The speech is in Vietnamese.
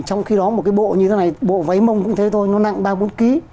trong khi đó một cái bộ như thế này bộ váy mông cũng thế thôi nó nặng ba bốn kg